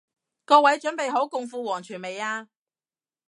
各位準備好共赴黃泉未啊？